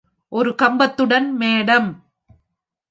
ஒரு கம்பத்துடன், மேடம்.